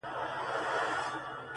په خيال كي ستا سره ياري كومه،